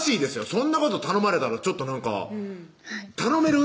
そんなこと頼まれたらちょっとなんか頼める？